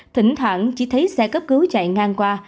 thỉnh thoảng chỉ thấy xe cấp cứu chạy ngang qua